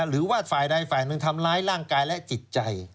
หรือว่าฝ่ายใดฝ่ายหนึ่งทำร้ายร่างกายและจิตใจ